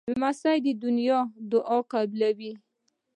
لمسی د نیا دعا قبلوي.